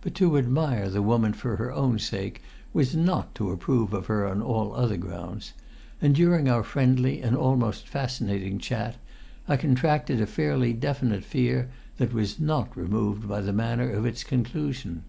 But to admire the woman for her own sake was not to approve of her on all other grounds; and during our friendly and almost fascinating chat I contracted a fairly definite fear that was not removed by the manner of its conclusion.